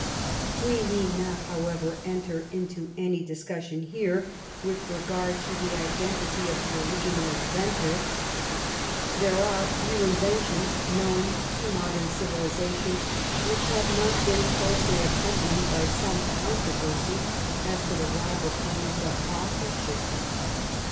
We need not, however, enter into any dis cussion here with regard to the identity of the original inventor. There are few inventions Imown to modem 180 "THE TRIVIAL ROUND— THE COMMON TASK'* civilization which have not been closely accompanied by some controversy as to rival claims of authorship.